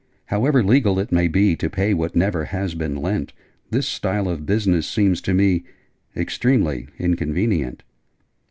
However legal it may be To pay what never has been lent, This style of business seems to me Extremely inconvenient!